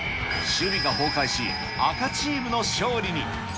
守備が崩壊し、赤チームの勝利に。